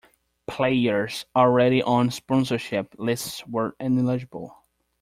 Players already on sponsorship lists were ineligible.